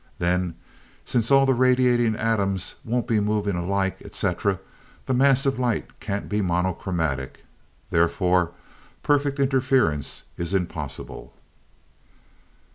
Then, since all the radiating atoms won't be moving alike, etc., the mass of light can't be monochromatic. Therefore perfect interference is impossible.